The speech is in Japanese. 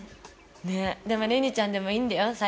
ねっでもれにちゃんでもいいんだよ